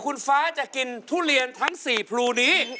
คุณฟ้าจะกินทุเรียนทั้ง๔พลูนี้